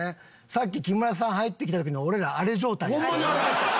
さっき木村さん入ってきた時の俺らあれ状態やったね。